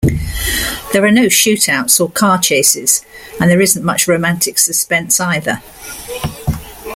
There are no shoot-outs or car chases, and there isn't much romantic suspense, either.